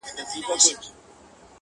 له خپل تخته را لوېدلی چي سرکار وي -